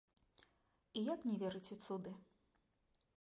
І як не верыць у цуды?